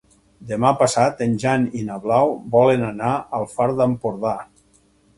Demà passat en Jan i na Blau volen anar al Far d'Empordà.